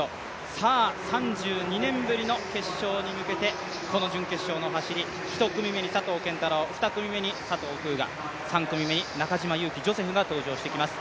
さぁ、３２年ぶりの決勝へ向けてこの準決勝の走り、１組目に佐藤拳太郎、２組目に佐藤風雅３組目に中島佑気ジョセフが登場してきます。